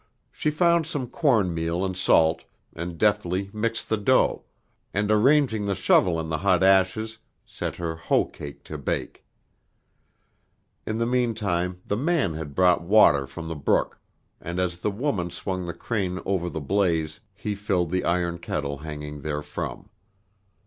She found some cornmeal and salt, and deftly mixed the dough, and arranging the shovel in the hot ashes, set her hoe cake to bake. In the mean time the man had brought water from the brook, and as the woman swung the crane over the blaze, he filled the iron kettle hanging therefrom.